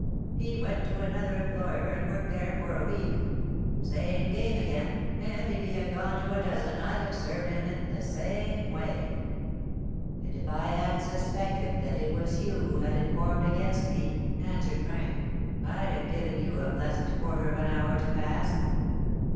He went to another employer and worked there for a week, same game again; and if he had gone to a dozen I'd have served him in the same way." "And if I had suspected that it was you who had informed against me," answered Frank, "I'd have given you a pleasant quarter of an hour to pass.